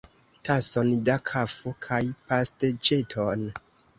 Tason da kafo kaj pasteĉeton!